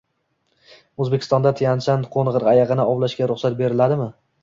O‘zbekistonda Tyanshan qo‘ng‘ir ayig‘ini ovlashga ruxsat beriladimi?ng